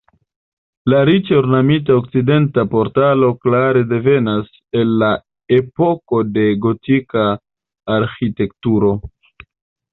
La riĉe ornamita okcidenta portalo klare devenas el la epoko de gotika arĥitekturo.